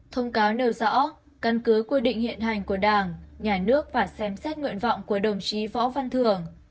thông cáo nêu rõ căn cứ quy định hiện hành của đảng nhà nước và xem xét nguyện vọng của đồng chí võ văn thường